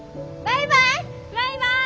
バイバイ！